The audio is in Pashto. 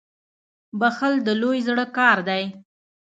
• بخښل د لوی زړه کار دی.